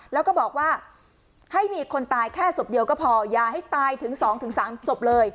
แล้วก็บอกว่าให้มีคนตายแค่ศพเดียวก็พออย่าให้ตายถึง๒๓ศพเลย